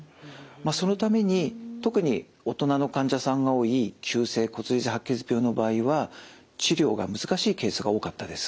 そのために特に大人の患者さんが多い急性骨髄性白血病の場合は治療が難しいケースが多かったです。